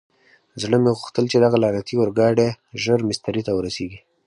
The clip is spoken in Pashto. زړه مې غوښتل چې دغه لعنتي اورګاډی ژر مېسترې ته ورسېږي.